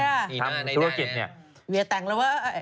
ทำธุรกิจนี้เมียแต่งแล้วเว้อ